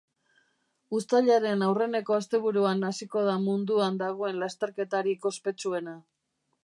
Uztailaren aurreneko asteburuan hasiko da munduan dagoen lasterketarik ospetsuena.